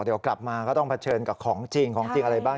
เดี๋ยวกลับมาก็ต้องเผชิญกับของจริงของจริงอะไรบ้าง